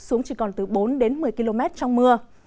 xuống chỉ còn từ bốn đến một mươi km trong mưa